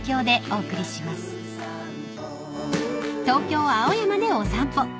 ［東京青山でお散歩。